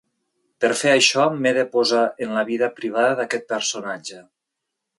Per fer això, m’he de posar en la vida privada d’aquest personatge.